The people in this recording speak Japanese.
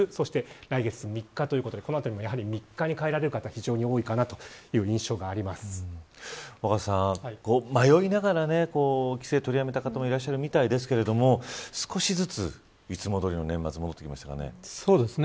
来月３日ということでこのあたりも３日に帰られる方が非常に若狭さん、迷いながら帰省を取りやめた方もいらっしゃるみたいですが少しずつ、いつもどおりの年末が戻ってきていますね。